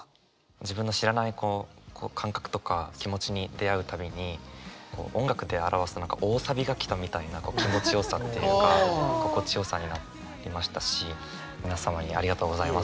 自分の知らない感覚とか気持ちに出会うたびに音楽で表すと大サビがきたみたいな気持ちよさっていうか心地よさになりましたし皆様にありがとうございますと。